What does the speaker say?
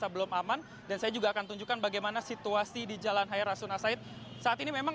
belum aman dan saya juga akan tunjukkan bagaimana situasi di jalan hairasuna said saat ini memang